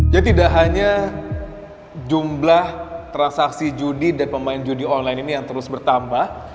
jadi tidak hanya jumlah transaksi judi dan pemain judi online ini yang terus bertambah